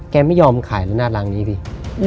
แกไม่ยอมขายร้านนาดรางนี้พี่